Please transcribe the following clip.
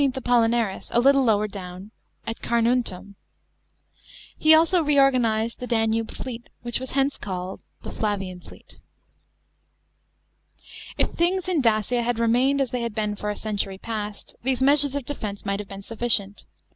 Apollinaris a little lower down, at Carnuntum. He also reorganised the Danube fleet, which was hence called the " Flavian fleet." § 13. If things in Dacia had remained as they had been for a century past, these measures of defence might have been sufficient.